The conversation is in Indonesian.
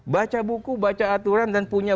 baca buku baca aturan dan punya